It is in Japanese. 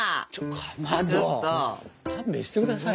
かまど勘弁してくださいよ。